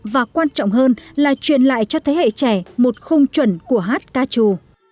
và quan trọng hơn là truyền lại cho thế hệ trẻ một khung chuẩn của hát ca trù